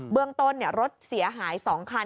เรื่องต้นรถเสียหาย๒คัน